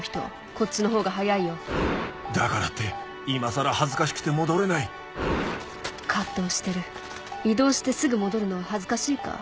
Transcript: こっちの方が早いよだからって今更恥ずかしくて戻れない藤してる移動してすぐ戻るのは恥ずかしいか？